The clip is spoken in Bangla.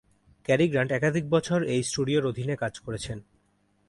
ক্যারি গ্র্যান্ট একাধিক বছর এই স্টুডিওর অধীনে কাজ করেছেন।